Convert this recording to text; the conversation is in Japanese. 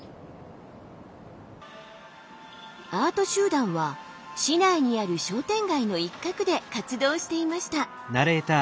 アート集団は市内にある商店街の一角で活動していました。